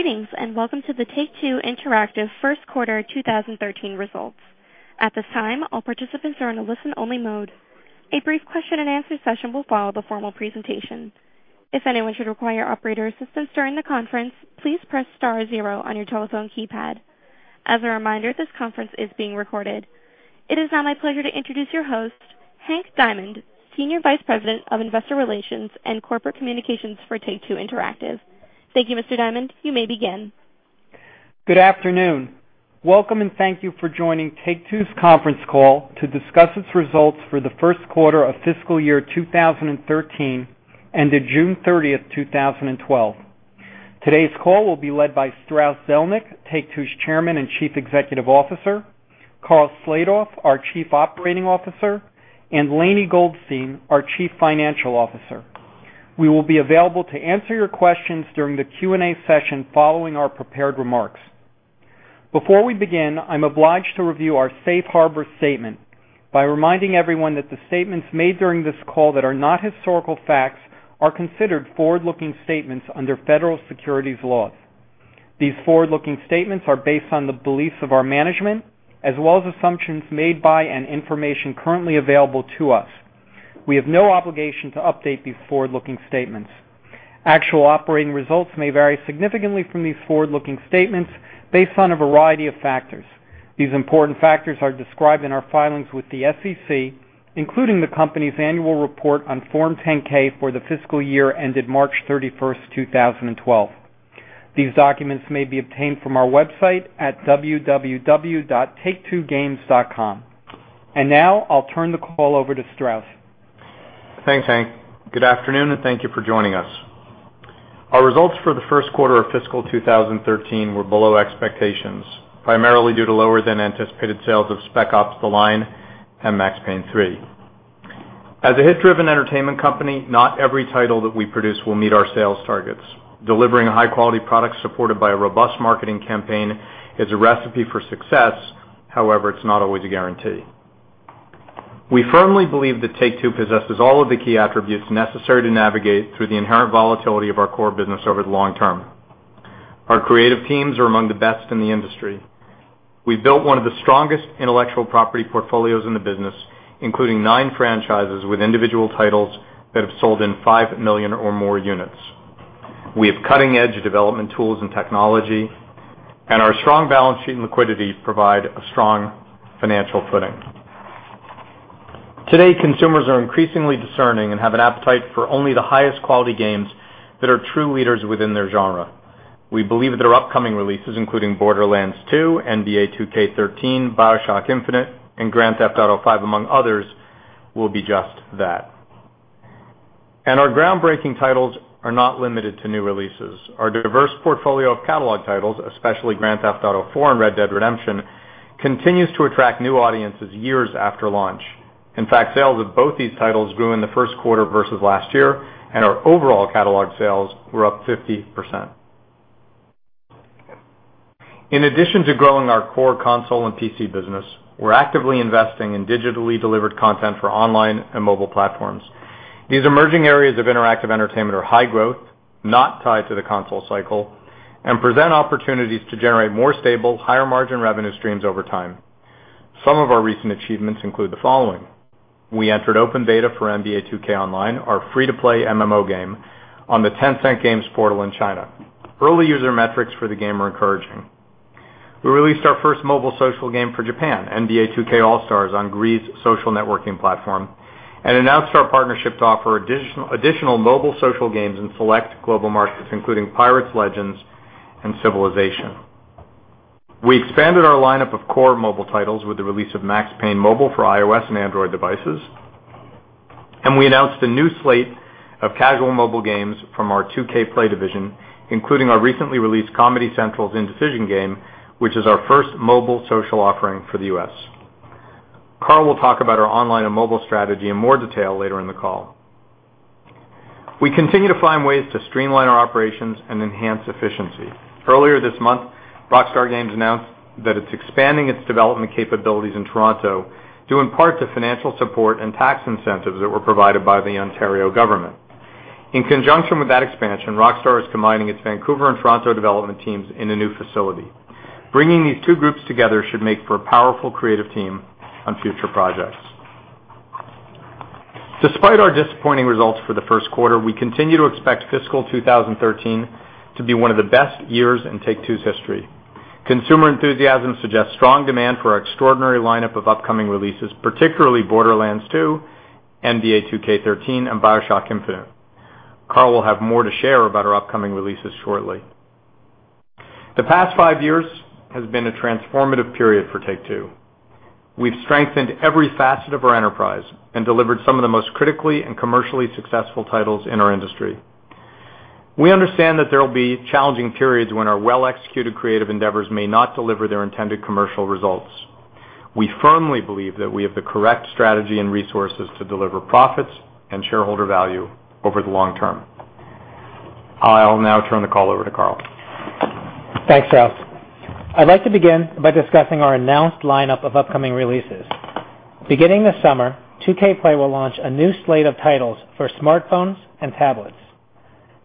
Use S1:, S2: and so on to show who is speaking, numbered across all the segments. S1: Greetings. Welcome to the Take-Two Interactive first quarter 2013 results. At this time, all participants are in a listen-only mode. A brief question and answer session will follow the formal presentation. If anyone should require operator assistance during the conference, please press star zero on your telephone keypad. As a reminder, this conference is being recorded. It is now my pleasure to introduce your host, Hank Diamond, Senior Vice President of Investor Relations and Corporate Communications for Take-Two Interactive. Thank you, Mr. Diamond. You may begin.
S2: Good afternoon. Welcome. Thank you for joining Take-Two's conference call to discuss its results for the first quarter of fiscal year 2013, ended June 30, 2012. Today's call will be led by Strauss Zelnick, Take-Two's Chairman and Chief Executive Officer, Karl Slatoff, our Chief Operating Officer, and Lainie Goldstein, our Chief Financial Officer. We will be available to answer your questions during the Q&A session following our prepared remarks. Before we begin, I'm obliged to review our safe harbor statement by reminding everyone that the statements made during this call that are not historical facts are considered forward-looking statements under federal securities laws. These forward-looking statements are based on the beliefs of our management, as well as assumptions made by and information currently available to us. We have no obligation to update these forward-looking statements. Actual operating results may vary significantly from these forward-looking statements based on a variety of factors. These important factors are described in our filings with the SEC, including the company's annual report on Form 10-K for the fiscal year ended March 31, 2012. These documents may be obtained from our website at www.take2games.com. Now I'll turn the call over to Strauss.
S3: Thanks, Hank. Good afternoon. Thank you for joining us. Our results for the first quarter of fiscal 2013 were below expectations, primarily due to lower than anticipated sales of Spec Ops: The Line and Max Payne 3. As a hit-driven entertainment company, not every title that we produce will meet our sales targets. Delivering a high-quality product supported by a robust marketing campaign is a recipe for success, however, it's not always a guarantee. We firmly believe that Take-Two possesses all of the key attributes necessary to navigate through the inherent volatility of our core business over the long term. Our creative teams are among the best in the industry. We've built one of the strongest intellectual property portfolios in the business, including nine franchises with individual titles that have sold in 5 million or more units. We have cutting-edge development tools and technology, our strong balance sheet and liquidity provide a strong financial footing. Today, consumers are increasingly discerning and have an appetite for only the highest quality games that are true leaders within their genre. We believe that our upcoming releases, including "Borderlands 2," "NBA 2K13," "BioShock Infinite," and "Grand Theft Auto V," among others, will be just that. Our groundbreaking titles are not limited to new releases. Our diverse portfolio of catalog titles, especially "Grand Theft Auto IV" and "Red Dead Redemption," continues to attract new audiences years after launch. In fact, sales of both these titles grew in the first quarter versus last year, our overall catalog sales were up 50%. In addition to growing our core console and PC business, we're actively investing in digitally delivered content for online and mobile platforms. These emerging areas of interactive entertainment are high growth, not tied to the console cycle, present opportunities to generate more stable, higher margin revenue streams over time. Some of our recent achievements include the following. We entered open beta for "NBA 2K Online," our free-to-play MMO game, on the Tencent Games portal in China. Early user metrics for the game are encouraging. We released our first mobile social game for Japan, "NBA 2K All-Stars" on GREE's social networking platform, announced our partnership to offer additional mobile social games in select global markets, including "Pirates! Legends" and "Civilization." We expanded our lineup of core mobile titles with the release of "Max Payne Mobile" for iOS and Android devices. We announced a new slate of casual mobile games from our 2K Play division, including our recently released Comedy Central's Indecision Game, which is our first mobile social offering for the U.S. Karl will talk about our online and mobile strategy in more detail later in the call. We continue to find ways to streamline our operations and enhance efficiency. Earlier this month, Rockstar Games announced that it's expanding its development capabilities in Toronto due in part to financial support and tax incentives that were provided by the Ontario government. In conjunction with that expansion, Rockstar is combining its Vancouver and Toronto development teams in a new facility. Bringing these two groups together should make for a powerful creative team on future projects. Despite our disappointing results for the first quarter, we continue to expect fiscal 2013 to be one of the best years in Take-Two's history. Consumer enthusiasm suggests strong demand for our extraordinary lineup of upcoming releases, particularly "Borderlands 2," "NBA 2K13," and "BioShock Infinite." Karl will have more to share about our upcoming releases shortly. The past five years has been a transformative period for Take-Two. We've strengthened every facet of our enterprise delivered some of the most critically and commercially successful titles in our industry. We understand that there will be challenging periods when our well-executed creative endeavors may not deliver their intended commercial results. We firmly believe that we have the correct strategy and resources to deliver profits and shareholder value over the long term. I'll now turn the call over to Karl.
S4: Thanks, Strauss. I'd like to begin by discussing our announced lineup of upcoming releases Beginning this summer, 2K Play will launch a new slate of titles for smartphones and tablets.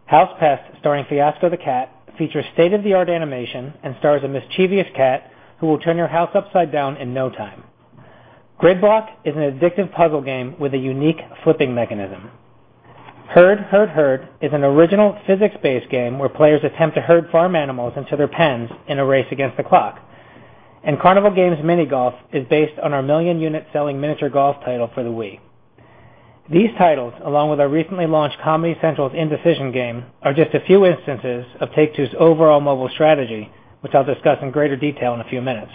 S4: House Pest starring Fiasco the Cat features state-of-the-art animation and stars a mischievous cat who will turn your house upside down in no time. GridBlock is an addictive puzzle game with a unique flipping mechanism. Herd Herd Herd is an original physics-based game where players attempt to herd farm animals into their pens in a race against the clock. Carnival Games: Mini-Golf is based on our million-unit selling miniature golf title for the Wii. These titles, along with our recently launched Comedy Central's Indecision Game, are just a few instances of Take-Two's overall mobile strategy, which I'll discuss in greater detail in a few minutes.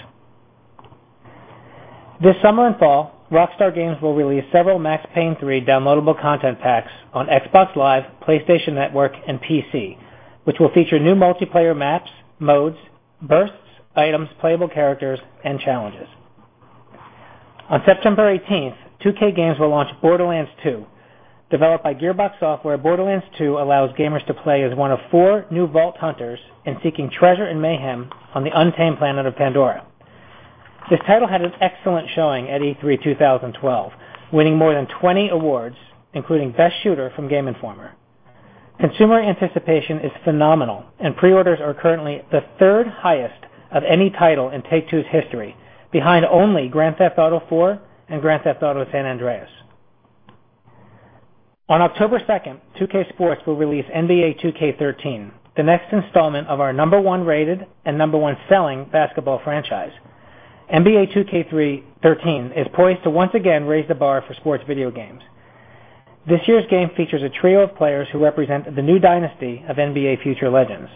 S4: This summer and fall, Rockstar Games will release several Max Payne 3 downloadable content packs on Xbox Live, PlayStation Network, and PC, which will feature new multiplayer maps, modes, bursts, items, playable characters, and challenges. On September 18th, 2K Games will launch Borderlands 2. Developed by Gearbox Software, Borderlands 2 allows gamers to play as one of four new vault hunters in seeking treasure and mayhem on the untamed planet of Pandora. This title had an excellent showing at E3 2012, winning more than 20 awards, including Best Shooter from Game Informer. Consumer anticipation is phenomenal, pre-orders are currently the third highest of any title in Take-Two's history, behind only Grand Theft Auto IV and Grand Theft Auto: San Andreas. On October 2nd, 2K Sports will release NBA 2K13, the next installment of our number one-rated and number one-selling basketball franchise. NBA 2K13 is poised to once again raise the bar for sports video games. This year's game features a trio of players who represent the new dynasty of NBA future legends: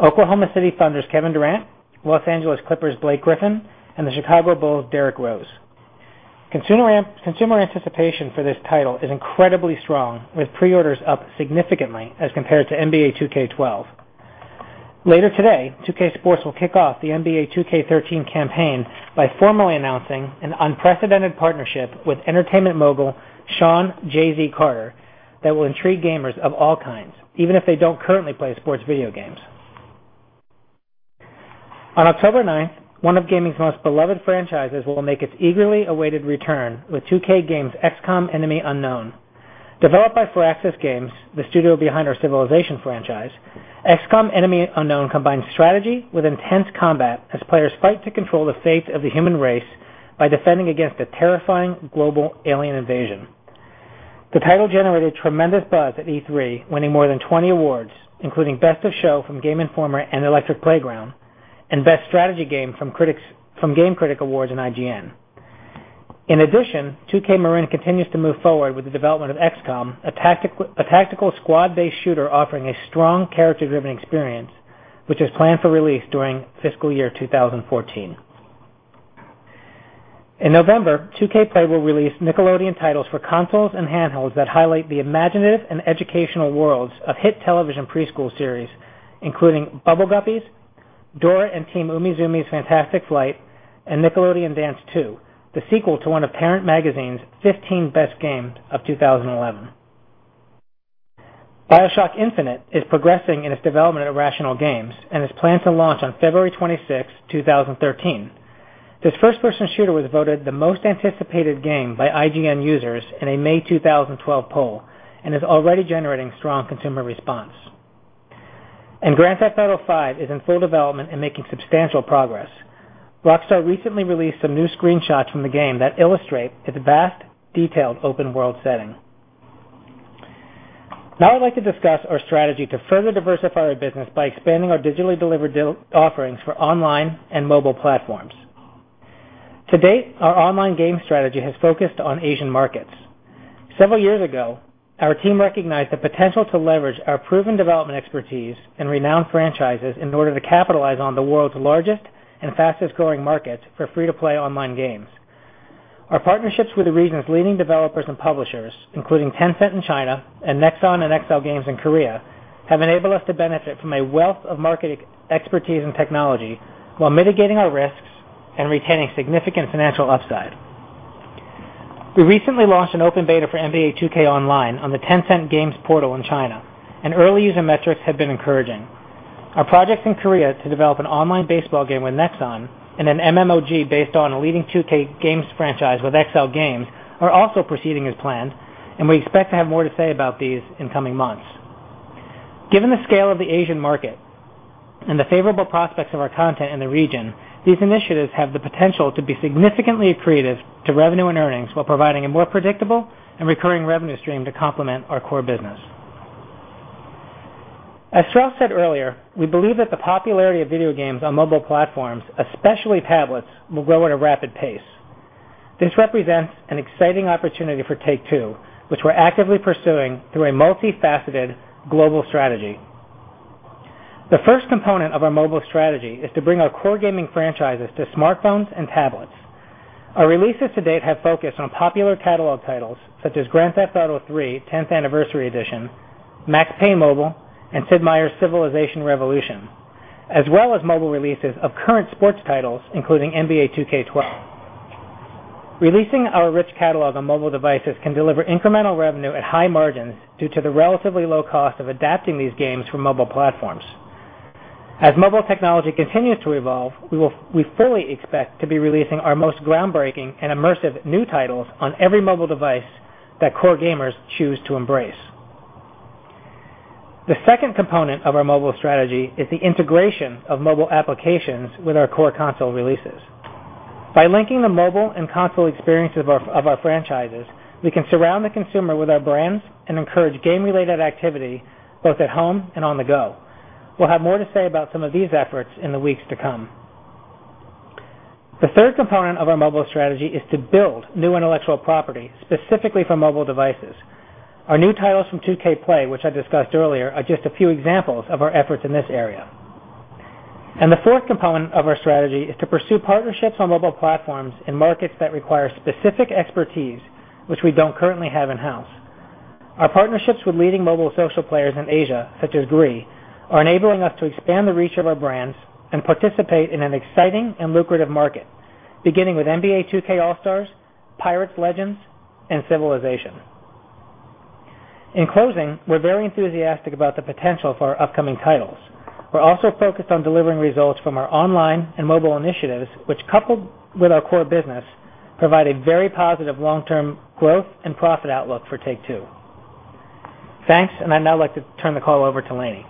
S4: Oklahoma City Thunder's Kevin Durant, Los Angeles Clippers' Blake Griffin, and the Chicago Bulls' Derrick Rose. Consumer anticipation for this title is incredibly strong, with pre-orders up significantly as compared to NBA 2K12. Later today, 2K Sports will kick off the NBA 2K13 campaign by formally announcing an unprecedented partnership with entertainment mogul Sean "Jay-Z" Carter that will intrigue gamers of all kinds, even if they don't currently play sports video games. On October 9th, one of gaming's most beloved franchises will make its eagerly awaited return with 2K Games' XCOM: Enemy Unknown. Developed by Firaxis Games, the studio behind our Civilization franchise, XCOM: Enemy Unknown combines strategy with intense combat as players fight to control the fate of the human race by defending against a terrifying global alien invasion. The title generated tremendous buzz at E3, winning more than 20 awards, including Best of Show from Game Informer and Electric Playground, and Best Strategy Game from Game Critics Awards and IGN. In addition, 2K Marin continues to move forward with the development of XCOM, a tactical squad-based shooter offering a strong character-driven experience, which is planned for release during fiscal year 2014. In November, 2K Play will release Nickelodeon titles for consoles and handhelds that highlight the imaginative and educational worlds of hit television preschool series, including Bubble Guppies, Dora and Team Umizoomi's Fantastic Flight, and Nickelodeon Dance 2, the sequel to one of Parents magazine's 15 best games of 2011. BioShock Infinite is progressing in its development at Irrational Games and is planned to launch on February 26, 2013. This first-person shooter was voted the most anticipated game by IGN users in a May 2012 poll and is already generating strong consumer response. Grand Theft Auto V is in full development and making substantial progress. Rockstar recently released some new screenshots from the game that illustrate its vast, detailed open-world setting. Now I'd like to discuss our strategy to further diversify our business by expanding our digitally delivered offerings for online and mobile platforms. To date, our online game strategy has focused on Asian markets. Several years ago, our team recognized the potential to leverage our proven development expertise and renowned franchises in order to capitalize on the world's largest and fastest-growing markets for free-to-play online games. Our partnerships with the region's leading developers and publishers, including Tencent in China and Nexon and XLGames in Korea, have enabled us to benefit from a wealth of market expertise and technology while mitigating our risks and retaining significant financial upside. We recently launched an open beta for NBA 2K Online on the Tencent Games portal in China. Early user metrics have been encouraging. Our projects in Korea to develop an online baseball game with Nexon and an MMOG based on a leading 2K Games franchise with XLGames are also proceeding as planned. We expect to have more to say about these in coming months. Given the scale of the Asian market and the favorable prospects of our content in the region, these initiatives have the potential to be significantly accretive to revenue and earnings while providing a more predictable and recurring revenue stream to complement our core business. As Strauss said earlier, we believe that the popularity of video games on mobile platforms, especially tablets, will grow at a rapid pace. This represents an exciting opportunity for Take-Two, which we're actively pursuing through a multifaceted global strategy. The first component of our mobile strategy is to bring our core gaming franchises to smartphones and tablets. Our releases to date have focused on popular catalog titles, such as Grand Theft Auto III: 10th Anniversary Edition, Max Payne Mobile, and Sid Meier's Civilization Revolution, as well as mobile releases of current sports titles, including NBA 2K12. Releasing our rich catalog on mobile devices can deliver incremental revenue at high margins due to the relatively low cost of adapting these games for mobile platforms. As mobile technology continues to evolve, we fully expect to be releasing our most groundbreaking and immersive new titles on every mobile device that core gamers choose to embrace. The second component of our mobile strategy is the integration of mobile applications with our core console releases. By linking the mobile and console experiences of our franchises, we can surround the consumer with our brands and encourage game-related activity both at home and on the go. We will have more to say about some of these efforts in the weeks to come. The third component of our mobile strategy is to build new intellectual property, specifically for mobile devices. Our new titles from 2K Play, which I discussed earlier, are just a few examples of our efforts in this area. The fourth component of our strategy is to pursue partnerships on mobile platforms in markets that require specific expertise, which we don't currently have in-house. Our partnerships with leading mobile social players in Asia, such as GREE, are enabling us to expand the reach of our brands and participate in an exciting and lucrative market, beginning with "NBA 2K All-Stars," "Pirates: Legends," and "Civilization." In closing, we are very enthusiastic about the potential for our upcoming titles. We are also focused on delivering results from our online and mobile initiatives, which, coupled with our core business, provide a very positive long-term growth and profit outlook for Take-Two. Thanks, and I would now like to turn the call over to Lainie.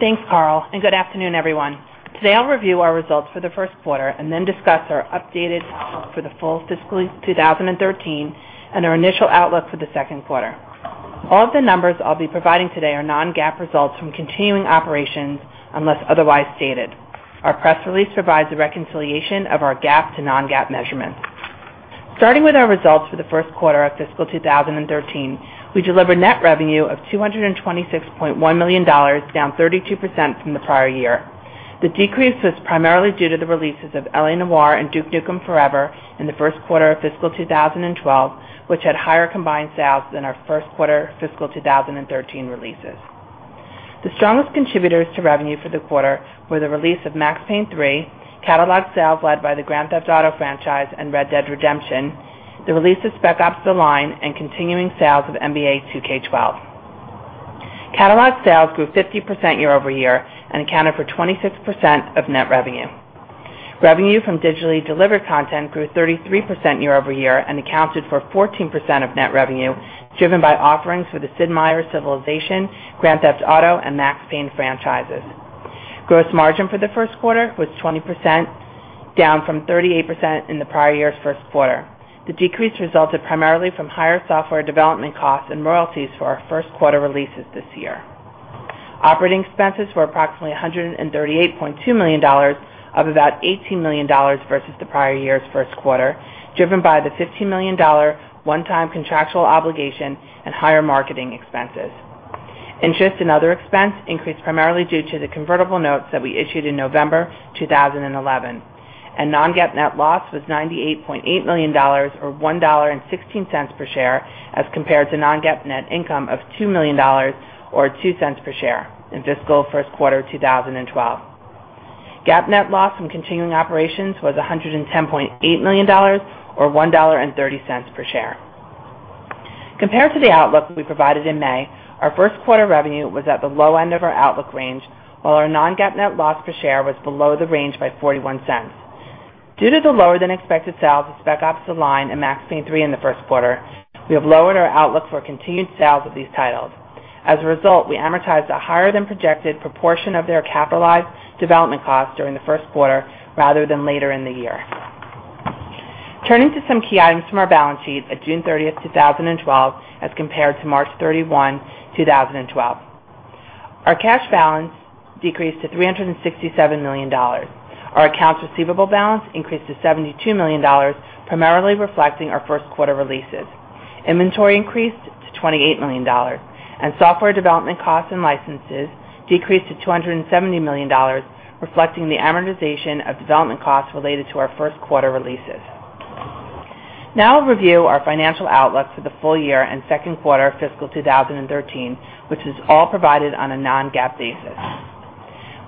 S5: Thanks, Karl, and good afternoon, everyone. Today, I will review our results for the first quarter and then discuss our updated outlook for the full fiscal 2013 and our initial outlook for the second quarter. All of the numbers I will be providing today are non-GAAP results from continuing operations, unless otherwise stated. Our press release provides a reconciliation of our GAAP to non-GAAP measurements. Starting with our results for the first quarter of fiscal 2013, we delivered net revenue of $226.1 million, down 32% from the prior year. The decrease was primarily due to the releases of "L.A. Noire" and "Duke Nukem Forever" in the first quarter of fiscal 2012, which had higher combined sales than our first-quarter fiscal 2013 releases. The strongest contributors to revenue for the quarter were the release of "Max Payne 3," catalog sales led by the "Grand Theft Auto" franchise and "Red Dead Redemption," the release of "Spec Ops: The Line," and continuing sales of "NBA 2K12." Catalog sales grew 50% year-over-year and accounted for 26% of net revenue. Revenue from digitally delivered content grew 33% year-over-year and accounted for 14% of net revenue, driven by offerings for the "Sid Meier's Civilization," "Grand Theft Auto," and "Max Payne" franchises. Gross margin for the first quarter was 20%, down from 38% in the prior year's first quarter. The decrease resulted primarily from higher software development costs and royalties for our first quarter releases this year. Operating expenses were approximately $138.2 million, up about $18 million versus the prior year's first quarter, driven by the $15 million one-time contractual obligation and higher marketing expenses. Interest and other expense increased primarily due to the convertible notes that we issued in November 2011. non-GAAP net loss was $98.8 million, or $1.16 per share, as compared to non-GAAP net income of $2 million, or $0.02 per share in fiscal first quarter 2012. GAAP net loss from continuing operations was $110.8 million, or $1.30 per share. Compared to the outlook we provided in May, our first quarter revenue was at the low end of our outlook range, while our non-GAAP net loss per share was below the range by $0.41. Due to the lower-than-expected sales of Spec Ops: The Line and Max Payne 3 in the first quarter, we have lowered our outlook for continued sales of these titles. As a result, we amortized a higher-than-projected proportion of their capitalized development costs during the first quarter rather than later in the year. Turning to some key items from our balance sheet at June 30, 2012, as compared to March 31, 2012. Our cash balance decreased to $367 million. Our accounts receivable balance increased to $72 million, primarily reflecting our first quarter releases. Inventory increased to $28 million, and software development costs and licenses decreased to $270 million, reflecting the amortization of development costs related to our first quarter releases. I'll review our financial outlook for the full year and second quarter of fiscal 2013, which is all provided on a non-GAAP basis.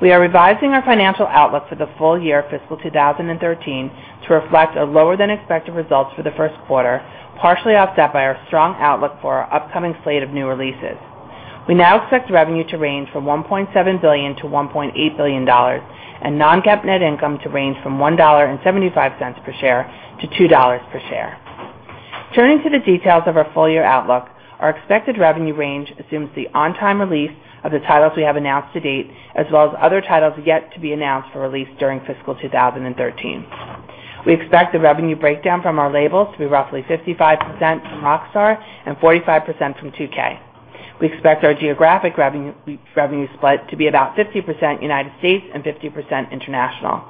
S5: We are revising our financial outlook for the full year fiscal 2013 to reflect a lower-than-expected results for the first quarter, partially offset by our strong outlook for our upcoming slate of new releases. We now expect revenue to range from $1.7 billion-$1.8 billion and non-GAAP net income to range from $1.75 per share-$2 per share. Turning to the details of our full-year outlook, our expected revenue range assumes the on-time release of the titles we have announced to date, as well as other titles yet to be announced for release during fiscal 2013. We expect the revenue breakdown from our labels to be roughly 55% from Rockstar and 45% from 2K. We expect our geographic revenue split to be about 50% U.S. and 50% international.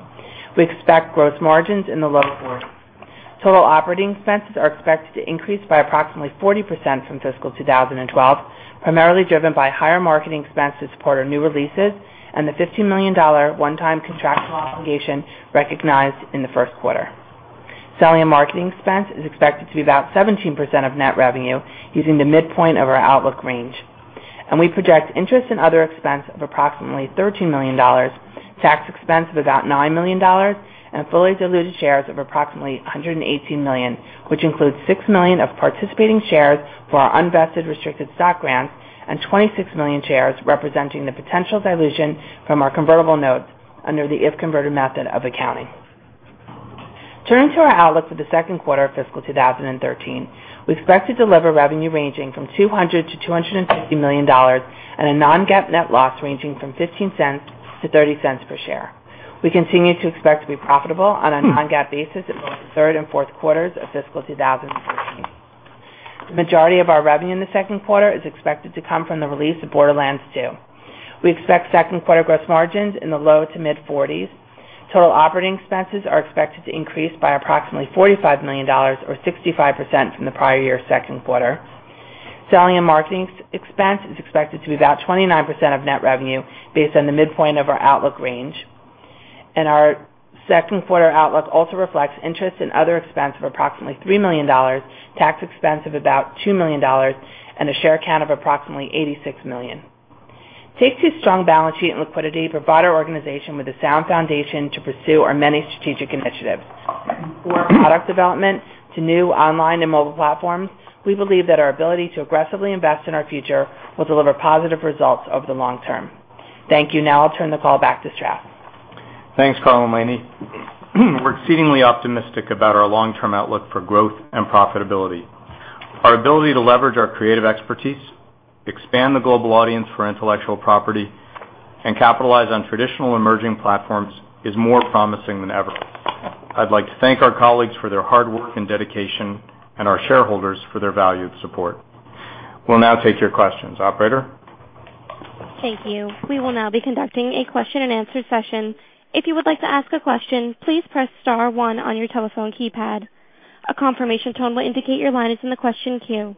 S5: We expect gross margins in the low 40s. Total operating expenses are expected to increase by approximately 40% from fiscal 2012, primarily driven by higher marketing expense to support our new releases and the $15 million one-time contractual obligation recognized in the first quarter. Selling and marketing expense is expected to be about 17% of net revenue using the midpoint of our outlook range. We project interest and other expense of approximately $13 million, tax expense of about $9 million, and fully diluted shares of approximately 118 million, which includes 6 million of participating shares for our unvested restricted stock grants and 26 million shares representing the potential dilution from our convertible notes under the if-converted method of accounting. Turning to our outlook for the second quarter of fiscal 2013, we expect to deliver revenue ranging from $200 million-$250 million, and a non-GAAP net loss ranging from $0.15-$0.30 per share. We continue to expect to be profitable on a non-GAAP basis in both the third and fourth quarters of fiscal 2013. The majority of our revenue in the second quarter is expected to come from the release of Borderlands 2. We expect second quarter gross margins in the low to mid-40s. Total operating expenses are expected to increase by approximately $45 million or 65% from the prior year's second quarter. Selling and marketing expense is expected to be about 29% of net revenue based on the midpoint of our outlook range. Our second quarter outlook also reflects interest in other expense of approximately $3 million, tax expense of about $2 million, and a share count of approximately 86 million. Take-Two's strong balance sheet and liquidity provide our organization with a sound foundation to pursue our many strategic initiatives. From product development to new online and mobile platforms, we believe that our ability to aggressively invest in our future will deliver positive results over the long term. Thank you. Now I'll turn the call back to Strauss.
S3: Thanks, Karl and Lainie. We're exceedingly optimistic about our long-term outlook for growth and profitability. Our ability to leverage our creative expertise, expand the global audience for intellectual property, and capitalize on traditional emerging platforms is more promising than ever. I'd like to thank our colleagues for their hard work and dedication, and our shareholders for their valued support. We'll now take your questions. Operator?
S1: Thank you. We will now be conducting a question and answer session. If you would like to ask a question, please press *1 on your telephone keypad. A confirmation tone will indicate your line is in the question queue.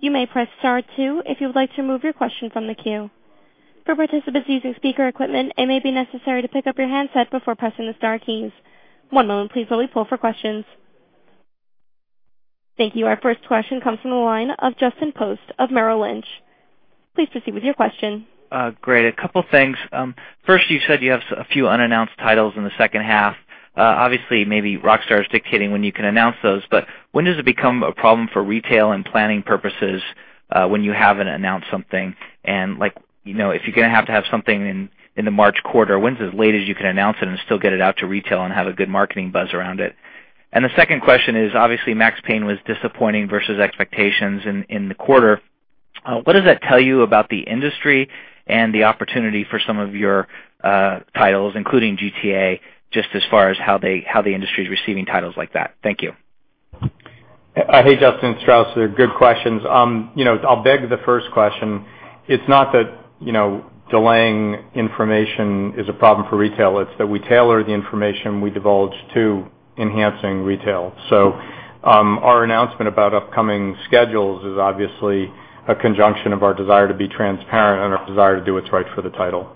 S1: You may press *2 if you would like to remove your question from the queue. For participants using speaker equipment, it may be necessary to pick up your handset before pressing the star keys. One moment please while we poll for questions. Thank you. Our first question comes from the line of Justin Post of Merrill Lynch. Please proceed with your question.
S6: Great. A couple things. First, you said you have a few unannounced titles in the second half. Maybe Rockstar is dictating when you can announce those, but when does it become a problem for retail and planning purposes when you haven't announced something? If you're going to have to have something in the March quarter, when's as late as you can announce it and still get it out to retail and have a good marketing buzz around it? The second question is, obviously, Max Payne was disappointing versus expectations in the quarter. What does that tell you about the industry and the opportunity for some of your titles, including GTA, just as far as how the industry's receiving titles like that? Thank you.
S3: Hey, Justin. Strauss. They're good questions. I'll beg the first question. It's not that delaying information is a problem for retail, it's that we tailor the information we divulge to enhancing retail. Our announcement about upcoming schedules is obviously a conjunction of our desire to be transparent and our desire to do what's right for the title.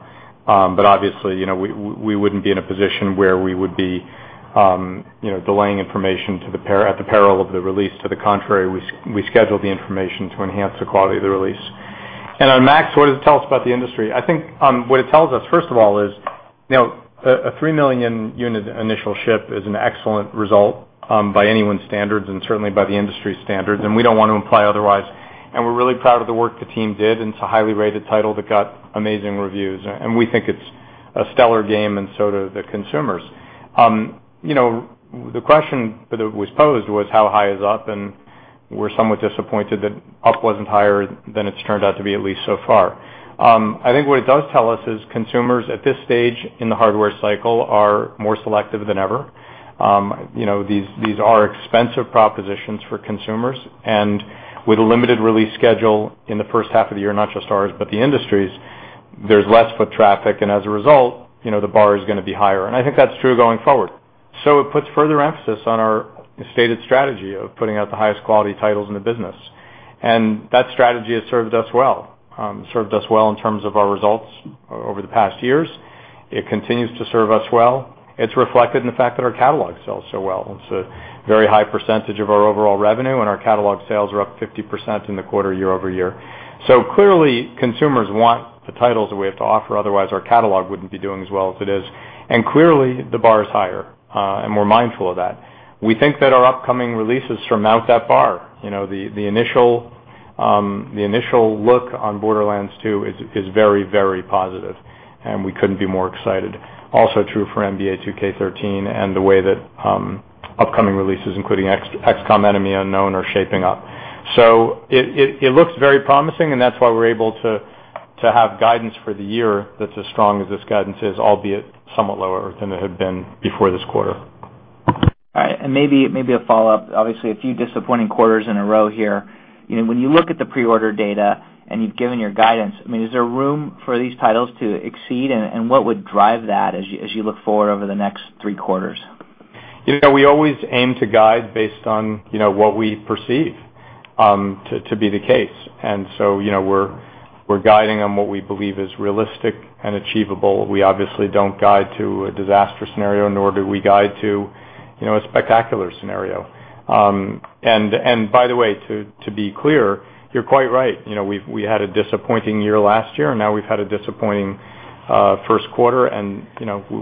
S3: Obviously, we wouldn't be in a position where we would be delaying information at the peril of the release. To the contrary, we schedule the information to enhance the quality of the release. On Max, what does it tell us about the industry? I think what it tells us, first of all, is a 3 million unit initial ship is an excellent result by anyone's standards and certainly by the industry standards. We don't want to imply otherwise. We're really proud of the work the team did. It's a highly rated title that got amazing reviews. We think it's a stellar game. So do the consumers. The question that was posed was how high is up, and we're somewhat disappointed that up wasn't higher than it's turned out to be, at least so far. I think what it does tell us is consumers at this stage in the hardware cycle are more selective than ever. These are expensive propositions for consumers. With a limited release schedule in the first half of the year, not just ours, but the industry's, there's less foot traffic. As a result, the bar is going to be higher. I think that's true going forward. It puts further emphasis on our stated strategy of putting out the highest quality titles in the business. That strategy has served us well. It served us well in terms of our results over the past years. It continues to serve us well. It's reflected in the fact that our catalog sells so well. It's a very high percentage of our overall revenue. Our catalog sales are up 50% in the quarter year-over-year. Clearly, consumers want the titles that we have to offer, otherwise our catalog wouldn't be doing as well as it is. Clearly, the bar is higher. We're mindful of that. We think that our upcoming releases surmount that bar. The initial look on Borderlands 2 is very positive, and we couldn't be more excited. Also true for NBA 2K13 and the way that upcoming releases, including XCOM: Enemy Unknown, are shaping up. It looks very promising, and that's why we're able to have guidance for the year that's as strong as this guidance is, albeit somewhat lower than it had been before this quarter.
S6: All right. Maybe a follow-up. Obviously, a few disappointing quarters in a row here. When you look at the pre-order data and you've given your guidance, is there room for these titles to exceed, and what would drive that as you look forward over the next three quarters?
S3: We always aim to guide based on what we perceive to be the case. We're guiding on what we believe is realistic and achievable. We obviously don't guide to a disaster scenario, nor do we guide to a spectacular scenario. By the way, to be clear, you're quite right. We had a disappointing year last year, and now we've had a disappointing first quarter, and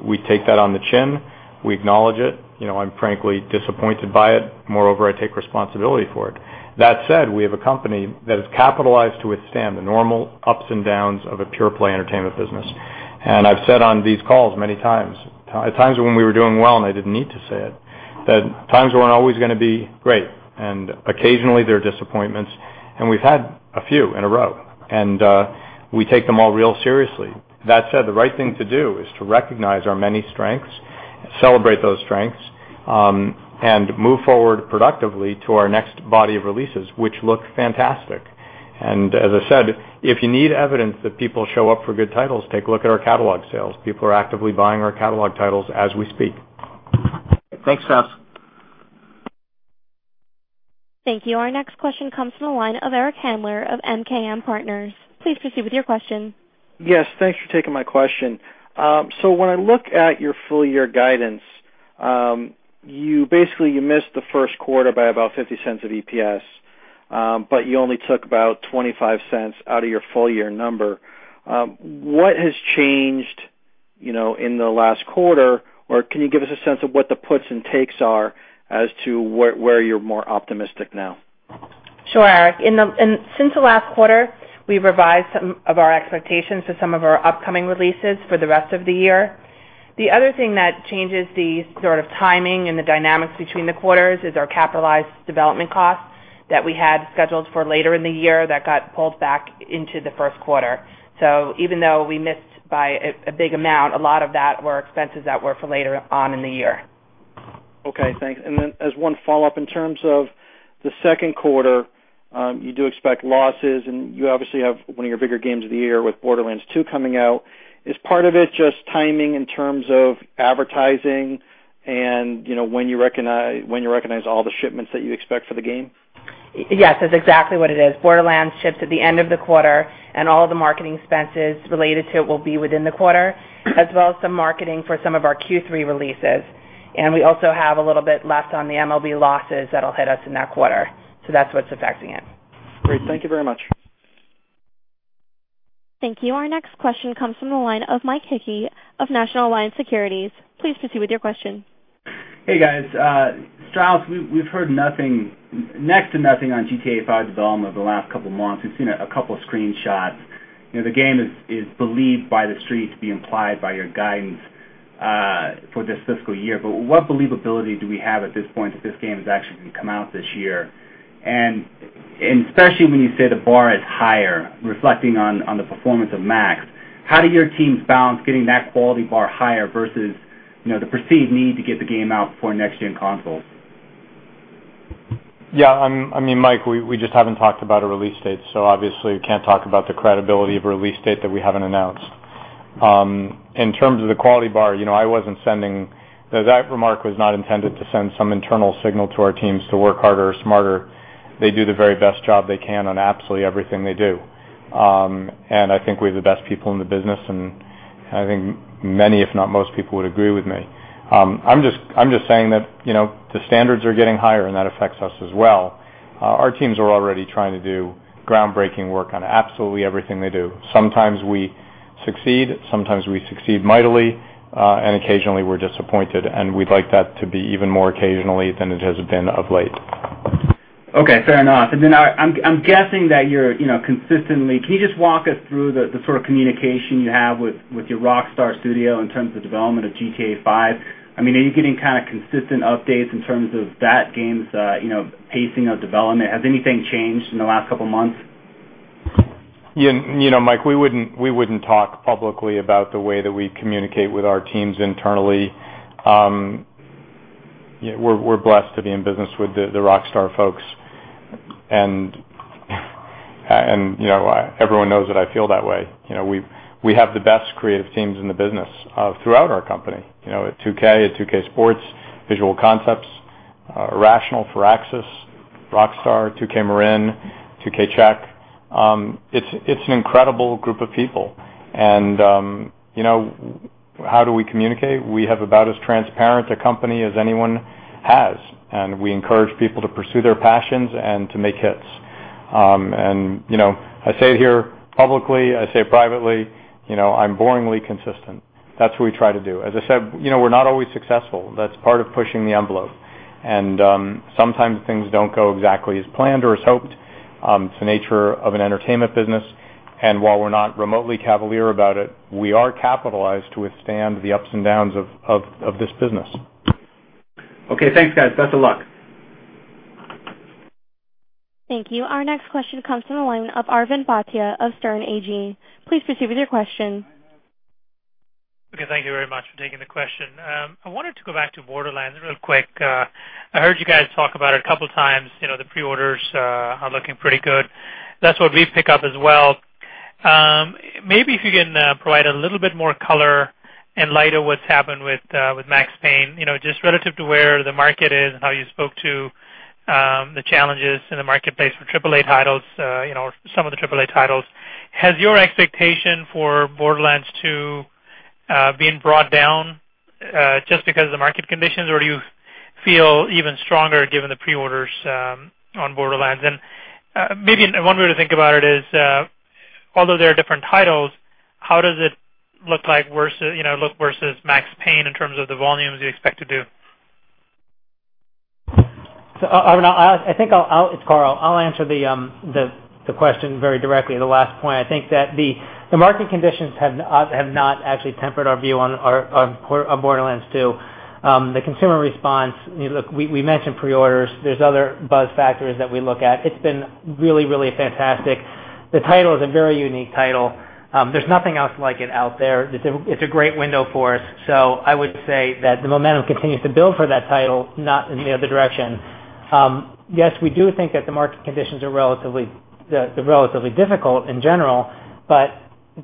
S3: we take that on the chin. We acknowledge it. I'm frankly disappointed by it. Moreover, I take responsibility for it. That said, we have a company that is capitalized to withstand the normal ups and downs of a pure-play entertainment business. I've said on these calls many times, at times when we were doing well and I didn't need to say it, that times weren't always going to be great, and occasionally there are disappointments, and we've had a few in a row, and we take them all real seriously. That said, the right thing to do is to recognize our many strengths, celebrate those strengths, and move forward productively to our next body of releases, which look fantastic. As I said, if you need evidence that people show up for good titles, take a look at our catalog sales. People are actively buying our catalog titles as we speak.
S6: Thanks, Strauss.
S1: Thank you. Our next question comes from the line of Eric Handler of MKM Partners. Please proceed with your question.
S7: Yes, thanks for taking my question. When I look at your full-year guidance, basically, you missed the first quarter by about $0.50 of EPS, you only took about $0.25 out of your full-year number. What has changed in the last quarter? Can you give us a sense of what the puts and takes are as to where you're more optimistic now?
S5: Sure, Eric. Since the last quarter, we revised some of our expectations for some of our upcoming releases for the rest of the year. The other thing that changes the sort of timing and the dynamics between the quarters is our capitalized development costs that we had scheduled for later in the year that got pulled back into the first quarter. Even though we missed by a big amount, a lot of that were expenses that were for later on in the year.
S7: Okay, thanks. As one follow-up, in terms of the second quarter, you do expect losses, and you obviously have one of your bigger games of the year with Borderlands 2 coming out. Is part of it just timing in terms of advertising and when you recognize all the shipments that you expect for the game?
S5: Yes, that's exactly what it is. Borderlands ships at the end of the quarter, all the marketing expenses related to it will be within the quarter, as well as some marketing for some of our Q3 releases. We also have a little bit left on the MLB losses that'll hit us in that quarter. That's what's affecting it.
S7: Great. Thank you very much.
S1: Thank you. Our next question comes from the line of Mike Hickey of National Alliance Capital Markets. Please proceed with your question.
S8: Hey, guys. Strauss, we've heard next to nothing on Grand Theft Auto V development over the last couple of months. We've seen a couple of screenshots. The game is believed by The Street to be implied by your guidance for this fiscal year. What believability do we have at this point that this game is actually going to come out this year? Especially when you say the bar is higher, reflecting on the performance of Max, how do your teams balance getting that quality bar higher versus the perceived need to get the game out before next-gen consoles?
S3: Yeah. Mike, we just haven't talked about a release date, obviously we can't talk about the credibility of a release date that we haven't announced. In terms of the quality bar, that remark was not intended to send some internal signal to our teams to work harder or smarter. They do the very best job they can on absolutely everything they do. I think we have the best people in the business, and I think many, if not most people, would agree with me. I'm just saying that the standards are getting higher, and that affects us as well. Our teams are already trying to do groundbreaking work on absolutely everything they do. Sometimes we succeed, sometimes we succeed mightily, and occasionally we're disappointed, and we'd like that to be even more occasionally than it has been of late.
S8: Okay, fair enough. Can you just walk us through the sort of communication you have with your Rockstar studio in terms of development of Grand Theft Auto V? Are you getting kind of consistent updates in terms of that game's pacing of development? Has anything changed in the last couple of months?
S3: Mike, we wouldn't talk publicly about the way that we communicate with our teams internally. We're blessed to be in business with the Rockstar folks, and everyone knows that I feel that way. We have the best creative teams in the business throughout our company. At 2K, at 2K Sports, Visual Concepts, Irrational, Firaxis, Rockstar, 2K Marin, 2K Czech. It's an incredible group of people. How do we communicate? We have about as transparent a company as anyone has, and we encourage people to pursue their passions and to make hits. I say it here publicly, I say it privately, I'm boringly consistent. That's what we try to do. As I said, we're not always successful. That's part of pushing the envelope. Sometimes things don't go exactly as planned or as hoped. It's the nature of an entertainment business, while we're not remotely cavalier about it, we are capitalized to withstand the ups and downs of this business.
S8: Okay, thanks, guys. Best of luck.
S1: Thank you. Our next question comes from the line of Arvind Bhatia of Sterne Agee. Please proceed with your question.
S9: Okay. Thank you very much for taking the question. I wanted to go back to Borderlands real quick. I heard you guys talk about it a couple of times. The pre-orders are looking pretty good. That's what we pick up as well. Maybe if you can provide a little bit more color in light of what's happened with Max Payne, just relative to where the market is and how you spoke to the challenges in the marketplace for AAA titles, some of the AAA titles. Has your expectation for Borderlands 2 been brought down just because of the market conditions, or do you feel even stronger given the pre-orders on Borderlands? Maybe one way to think about it is, although they're different titles, how does it look versus Max Payne in terms of the volumes you expect to do?
S4: Arvind, it's Karl. I'll answer the question very directly, the last point. I think that the market conditions have not actually tempered our view on Borderlands 2. The consumer response, look, we mentioned pre-orders. There's other buzz factors that we look at. It's been really, really fantastic. The title is a very unique title. There's nothing else like it out there. It's a great window for us. I would say that the momentum continues to build for that title, not in the other direction. Yes, we do think that the market conditions are relatively difficult in general, but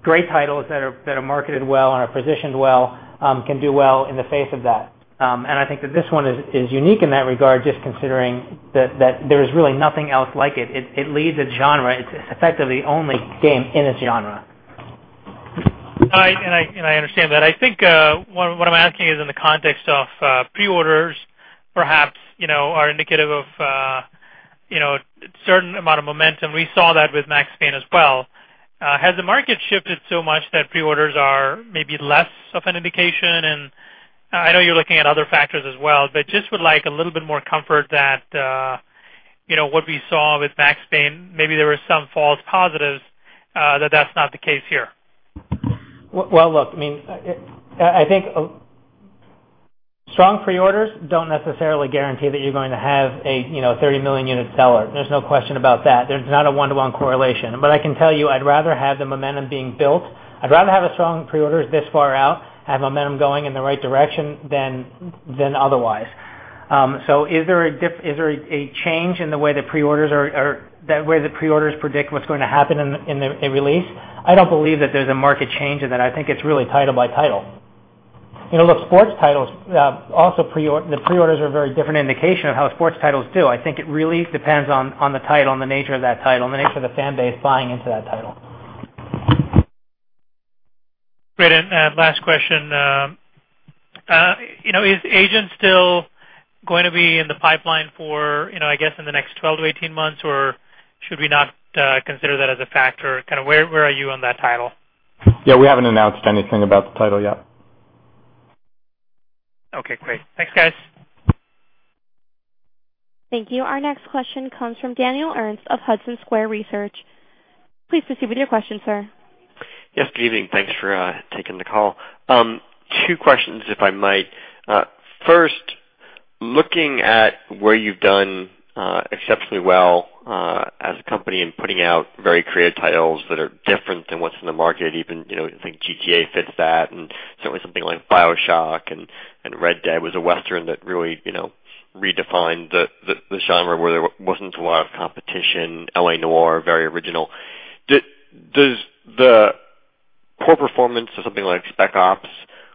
S4: great titles that are marketed well and are positioned well, can do well in the face of that. I think that this one is unique in that regard, just considering that there's really nothing else like it. It leads a genre. It's effectively the only game in its genre.
S9: I understand that. I think, what I'm asking is in the context of pre-orders perhaps, are indicative of a certain amount of momentum. We saw that with Max Payne as well. Has the market shifted so much that pre-orders are maybe less of an indication? I know you're looking at other factors as well, I just would like a little bit more comfort that, what we saw with Max Payne, maybe there were some false positives, that's not the case here.
S4: Well, look, I think strong pre-orders don't necessarily guarantee that you're going to have a 30 million-unit seller. There's no question about that. There's not a one-to-one correlation. I can tell you, I'd rather have the momentum being built. I'd rather have strong pre-orders this far out, have momentum going in the right direction than otherwise. Is there a change in the way that pre-orders predict what's going to happen in the release? I don't believe that there's a market change in that. I think it's really title by title. Look, sports titles, also the pre-orders are a very different indication of how sports titles do. I think it really depends on the title and the nature of that title, and the nature of the fan base buying into that title.
S9: Great. Last question. Is Agent still going to be in the pipeline for, I guess, in the next 12 to 18 months, or should we not consider that as a factor? Where are you on that title?
S3: Yeah, we haven't announced anything about the title yet.
S9: Okay, great. Thanks, guys.
S1: Thank you. Our next question comes from Daniel Ernst of Hudson Square Research. Please proceed with your question, sir.
S10: Yes, good evening. Thanks for taking the call. Two questions, if I might. First, looking at where you've done exceptionally well as a company in putting out very creative titles that are different than what's in the market, even, I think "GTA" fits that and certainly something like "BioShock" and "Red Dead" was a Western that really redefined the genre where there wasn't a lot of competition. "L.A. Noire," very original. Does the poor performance of something like "Spec Ops,"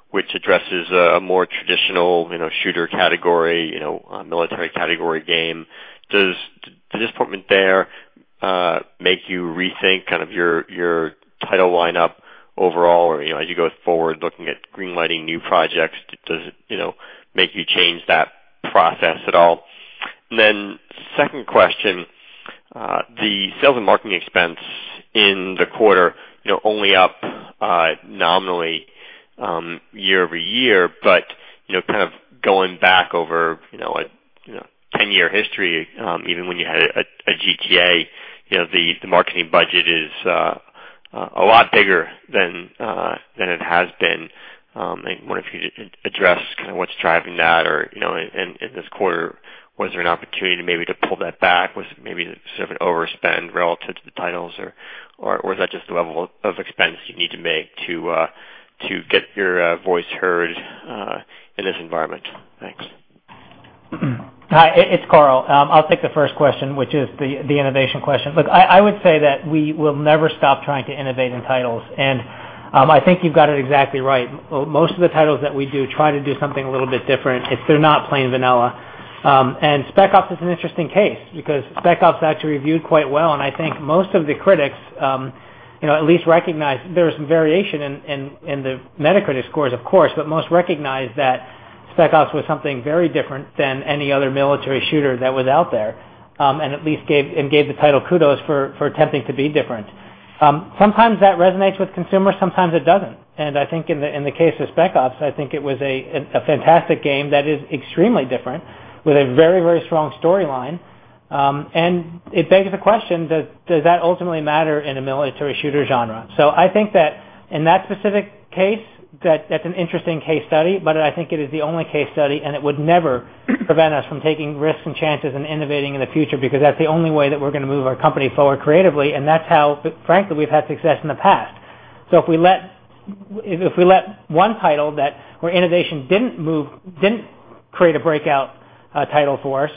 S10: which addresses a more traditional shooter category, military category game, does disappointment there make you rethink your title lineup overall, or as you go forward looking at green-lighting new projects, does it make you change that process at all? Second question, the sales and marketing expense in the quarter, only up nominally year-over-year, but kind of going back over a 10-year history, even when you had a GTA, the marketing budget is a lot bigger than it has been. I'm wondering if you could address what's driving that or, in this quarter, was there an opportunity maybe to pull that back? Was it maybe sort of an overspend relative to the titles, or is that just the level of expense you need to make to get your voice heard in this environment? Thanks.
S4: Hi, it's Karl. I'll take the first question, which is the innovation question. I would say that we will never stop trying to innovate in titles, and I think you've got it exactly right. Most of the titles that we do try to do something a little bit different. They're not plain vanilla. "Spec Ops" is an interesting case because "Spec Ops" actually reviewed quite well, and I think most of the critics at least recognize there is some variation in the Metacritic scores, of course, but most recognize that "Spec Ops" was something very different than any other military shooter that was out there, and at least gave the title kudos for attempting to be different. Sometimes that resonates with consumers, sometimes it doesn't. I think in the case of "Spec Ops," I think it was a fantastic game that is extremely different with a very strong storyline. It begs the question, does that ultimately matter in a military shooter genre? I think that in that specific case, that's an interesting case study, but I think it is the only case study, and it would never prevent us from taking risks and chances and innovating in the future because that's the only way that we're going to move our company forward creatively. That's how, frankly, we've had success in the past. If we let one title where innovation didn't create a breakout title for us,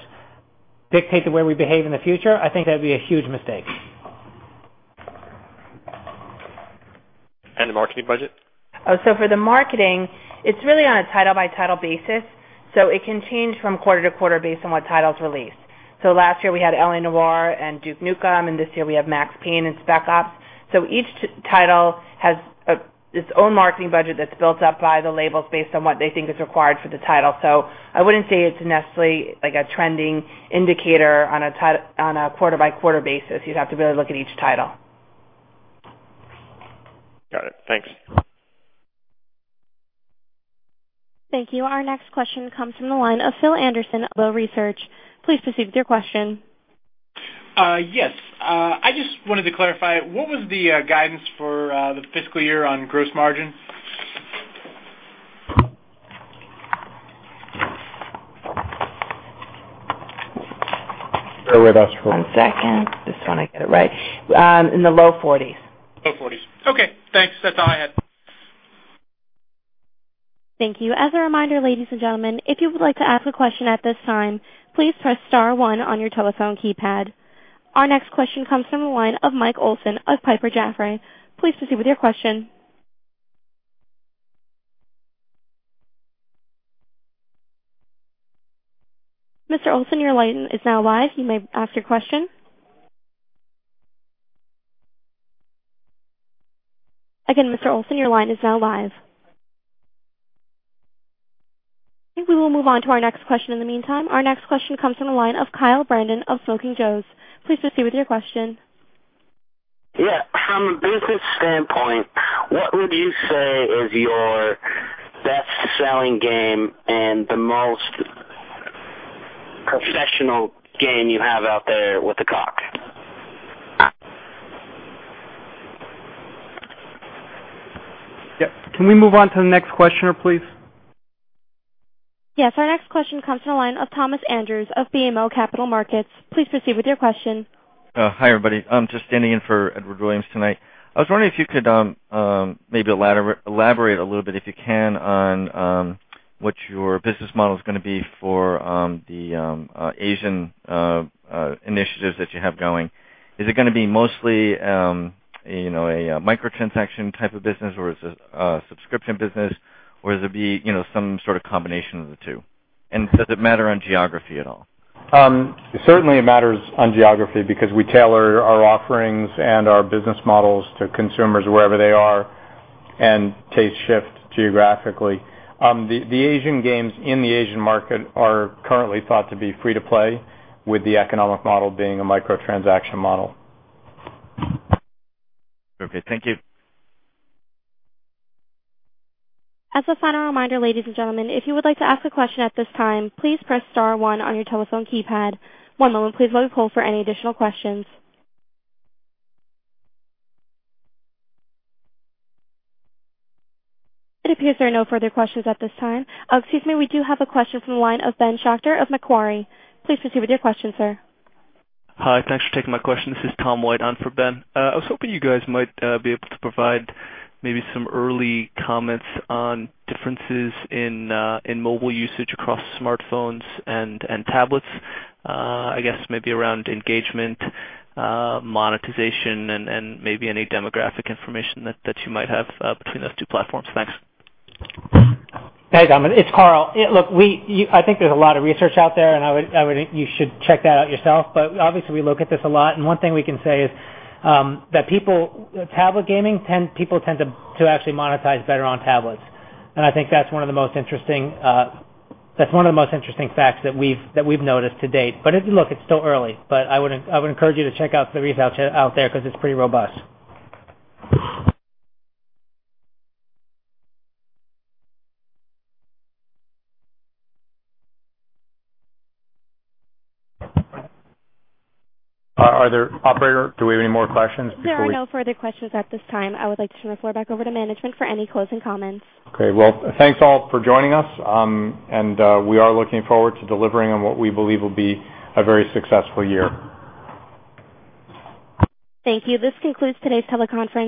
S4: dictate the way we behave in the future, I think that'd be a huge mistake.
S10: The marketing budget?
S5: For the marketing, it's really on a title-by-title basis, it can change from quarter to quarter based on what title's released. Last year we had L.A. Noire and Duke Nukem, and this year we have Max Payne and Spec Ops. Each title has its own marketing budget that's built up by the labels based on what they think is required for the title. I wouldn't say it's necessarily a trending indicator on a quarter-by-quarter basis. You'd have to really look at each title.
S10: Got it. Thanks.
S1: Thank you. Our next question comes from the line of Phil Anderson of Longbow Research. Please proceed with your question.
S11: I just wanted to clarify, what was the guidance for the fiscal year on gross margin?
S3: Bear with us. One second. Just want to get it right. In the low forties.
S11: Low forties. Okay, thanks. That's all I had.
S1: Thank you. As a reminder, ladies and gentlemen, if you would like to ask a question at this time, please press star one on your telephone keypad. Our next question comes from the line of Michael Olson of Piper Jaffray. Please proceed with your question. Mr. Olson, your line is now live. You may ask your question. Again, Mr. Olson, your line is now live. I think we will move on to our next question in the meantime. Our next question comes from the line of Kyle Brandon of Smoking Joe’s. Please proceed with your question.
S12: Yeah. From a business standpoint, what would you say is your best-selling game and the most professional game you have out there with the COG?
S3: Yeah. Can we move on to the next questioner, please?
S1: Yes. Our next question comes to the line of Thomas Andrews of BMO Capital Markets. Please proceed with your question.
S13: Hi, everybody. I'm just standing in for Edward Williams tonight. I was wondering if you could maybe elaborate a little bit, if you can, on what your business model is going to be for the Asian initiatives that you have going. Is it going to be mostly a microtransaction type of business, or is it a subscription business, or does it be some sort of combination of the two? Does it matter on geography at all?
S3: Certainly it matters on geography because we tailor our offerings and our business models to consumers wherever they are, and tastes shift geographically. The Asian games in the Asian market are currently thought to be free-to-play, with the economic model being a microtransaction model.
S13: Okay, thank you.
S1: As a final reminder, ladies and gentlemen, if you would like to ask a question at this time, please press star one on your telephone keypad. One moment, please, while we poll for any additional questions. It appears there are no further questions at this time. Excuse me, we do have a question from the line of Ben Schachter of Macquarie. Please proceed with your question, sir.
S14: Hi. Thanks for taking my question. This is Tom White on for Ben. I was hoping you guys might be able to provide maybe some early comments on differences in mobile usage across smartphones and tablets. I guess maybe around engagement, monetization, and maybe any demographic information that you might have between those two platforms. Thanks.
S4: Hey, Tom. It's Karl. Look, I think there's a lot of research out there, and you should check that out yourself. But obviously, we look at this a lot, and one thing we can say is that tablet gaming, people tend to actually monetize better on tablets, and I think that's one of the most interesting facts that we've noticed to date. But look, it's still early, but I would encourage you to check out the research out there because it's pretty robust.
S3: Operator, do we have any more questions?
S1: There are no further questions at this time. I would like to turn the floor back over to management for any closing comments.
S3: Okay. Well, thanks all for joining us, and we are looking forward to delivering on what we believe will be a very successful year.
S1: Thank you. This concludes today's teleconference.